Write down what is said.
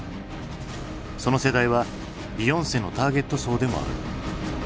その世代はビヨンセのターゲット層でもある。